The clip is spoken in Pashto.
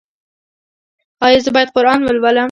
ایا زه باید قرآن ولولم؟